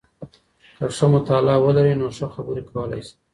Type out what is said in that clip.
که ښه مطالعه ولرئ نو ښه خبري کولای سئ.